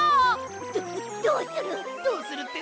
どどうする？